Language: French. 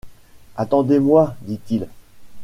Attendez-moi, dit-il.